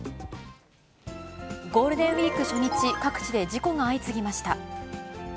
ゴールデンウィーク初日、各地で事故が相次ぎました。